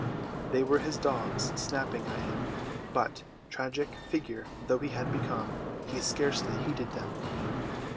They were his dogs snapping at him, but, tragic figure though he had become, he scarcely heeded them.